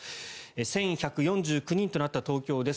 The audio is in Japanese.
１１４９人となった東京です。